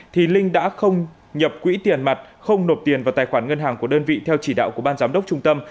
thì linh đã không nhập quỹ tiền mặt không nộp tiền vào tài khoản ngân hàng của đơn vị theo chỉ đạo của ban giám đốc trung tâm